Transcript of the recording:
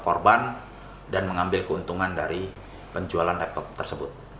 korban dan mengambil keuntungan dari penjualan laptop tersebut